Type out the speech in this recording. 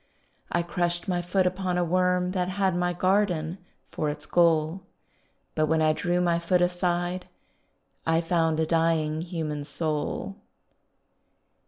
I crushed my foot upon a worm That had my garden for its goal, But when I drew my foot aside I found a dying human soul.